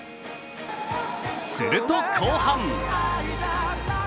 すると、後半。